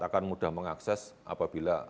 akan mudah mengakses apabila